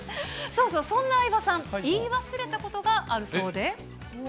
そんな相葉さん、言い忘れたことがあるそうで。